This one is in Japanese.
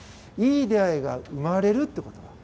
いい出会いが生まれるってこと。